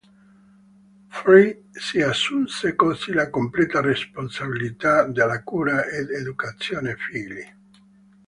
Fry si assunse così la completa responsabilità della cura ed educazione figli.